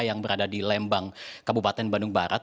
yang berada di lembang kabupaten bandung barat